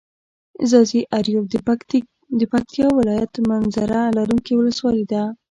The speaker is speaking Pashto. ځاځي اريوب د پکتيا ولايت منظره لرونکي ولسوالي ده.